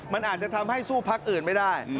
มันอาจจะทำให้สู้พักอื่นไม่ได้